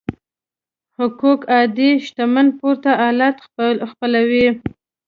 حقوق عاید شتمنۍ پورته حالت خپلوي.